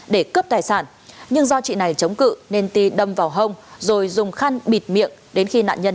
để cướp tài sản nhưng do chị này chống cự nên ti đâm vào hông rồi dùng khăn bịt miệng đến khi nạn nhân